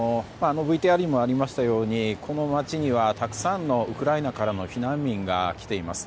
あのＶＴＲにもありましたようにこの町には、たくさんのウクライナからの避難民が来ています。